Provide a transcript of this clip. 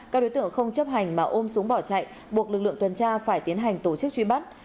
các đối tượng không chấp hành mà ôm súng bỏ chạy buộc lực lượng tuần tra phải tiến hành tổ chức truy bắt